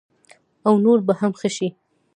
او نور به هم ښه شي.